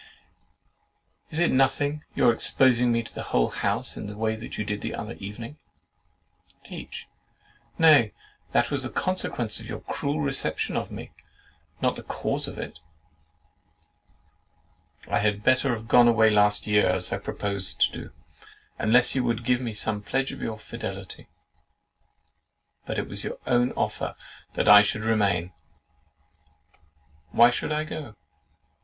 "Is it nothing, your exposing me to the whole house in the way you did the other evening?" H. "Nay, that was the consequence of your cruel reception of me, not the cause of it. I had better have gone away last year, as I proposed to do, unless you would give some pledge of your fidelity; but it was your own offer that I should remain. 'Why should I go?